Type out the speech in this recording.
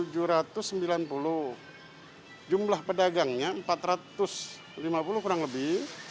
jumlah pedagangnya empat ratus lima puluh kurang lebih